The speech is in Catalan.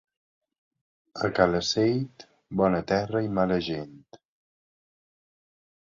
A Calaceit, bona terra i mala gent.